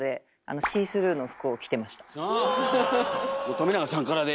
冨永さんからで。